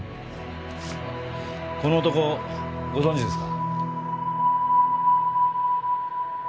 この男ご存じですか？